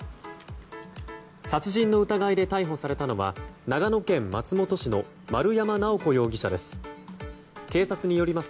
殺人の疑いで逮捕されたのは長野県松本市の丸山尚子容疑者です。